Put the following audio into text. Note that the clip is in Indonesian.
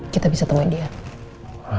kita bisa temuin dia